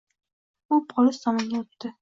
U poliz tomonga o‘tdi.